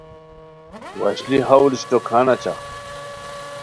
وشلی ہاؤل اشٹو کان اچہ